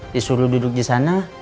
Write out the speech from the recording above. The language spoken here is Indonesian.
disuruh duduk di sana